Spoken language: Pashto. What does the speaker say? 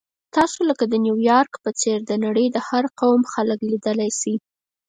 تاسو لکه د نیویارک په څېر د نړۍ د هر قوم خلک لیدلی شئ.